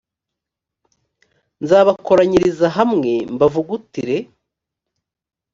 nzabakoranyiriza hamwe mbavugutire